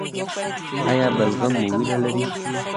ایا بلغم مو وینه لري؟